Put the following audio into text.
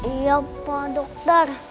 iya pak dokter